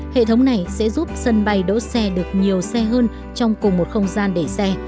hệ thống này sẽ giúp sân bay đỗ xe được nhiều xe hơn trong cùng một không gian để xe